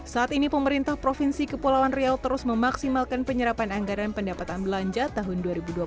saat ini pemerintah provinsi kepulauan riau terus memaksimalkan penyerapan anggaran pendapatan belanja tahun dua ribu dua puluh